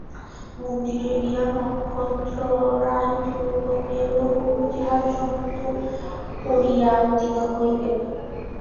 মন্দিরে গিয়া নক্ষত্ররায় ধ্রুবকে রঘুপতির হাতে সমর্পণ করিতে উদ্যত হইলেন।